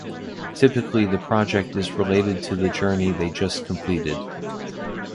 Typically the project is related to the Journey they just completed.